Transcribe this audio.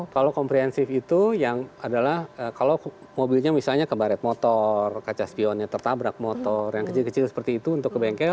kalau komprehensif itu yang adalah kalau mobilnya misalnya kebaret motor kaca spionnya tertabrak motor yang kecil kecil seperti itu untuk ke bengkel